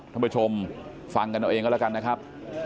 ท่านผู้ชมฟังกันเอาเองก็แล้วกันนะครับ